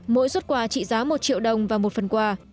mỗi xuất quà trị giá một triệu đồng và một phần quà